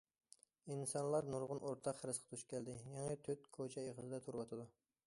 ئىنسانلار نۇرغۇن ئورتاق خىرىسقا دۇچ كەلدى، يېڭى تۆت كوچا ئېغىزىدا تۇرۇۋاتىدۇ.